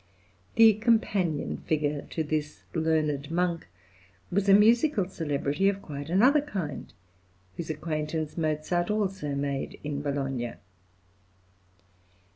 The companion figure to this learned monk was a musical celebrity of quite another kind, whose acquaintance Mozart also made in Bologna.